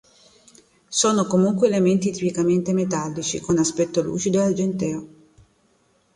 Sono comunque elementi tipicamente metallici, con aspetto lucido e argenteo.